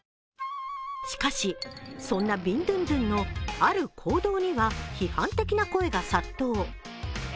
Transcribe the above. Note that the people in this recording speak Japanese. しかしそんなビンドゥンドゥンのある行動には批判的な声が殺到。